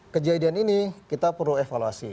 kejadian ini kita perlu evaluasi